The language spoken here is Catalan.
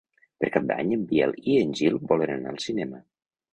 Per Cap d'Any en Biel i en Gil volen anar al cinema.